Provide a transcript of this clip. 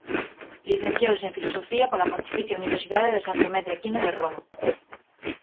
Licenciouse en Filosofía pola Pontificia Universidade de San Tomé de Aquino de Roma.